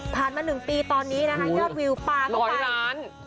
ผ่านมา๑ปีตอนนี้นะฮะยอดวิวปลาก็ไป๑๐๐ล้าน